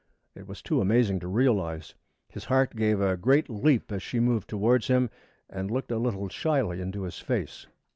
It was too amazing to realize. His heart gave a great leap as she moved towards him and looked a little shyly into his face.